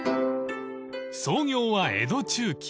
［創業は江戸中期］